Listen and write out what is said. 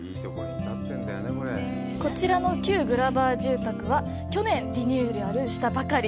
こちらの旧グラバー住宅は去年リニューアルしたばかり。